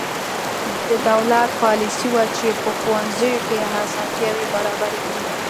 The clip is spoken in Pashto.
د دولت پالیسي وه چې په ښوونځیو کې اسانتیاوې برابرې کړې.